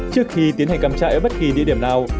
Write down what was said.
trước khi tiến hành cắm chạy ở bất kỳ địa điểm nào